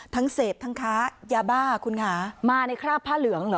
เสพทั้งค้ายาบ้าคุณค่ะมาในคราบผ้าเหลืองเหรอ